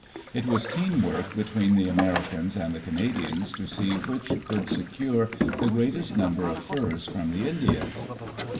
It was keen work between the Americans and the Canadians to see which could secure the greatest number of furs from the Indians.